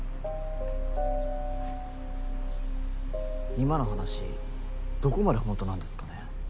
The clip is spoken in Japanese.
今の話どこまで本当なんですかね？